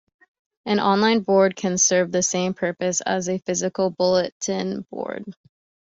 An online board can serve the same purpose as a physical bulletin board.